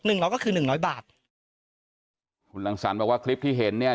เราก็คือหนึ่งร้อยบาทคุณรังสรรค์บอกว่าคลิปที่เห็นเนี่ย